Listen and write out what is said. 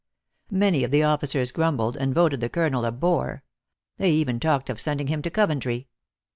Many of the officers grumbled, and voted the colonel a bore. They even talked of sending him to Coventry.